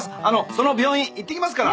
その病院行ってきますから。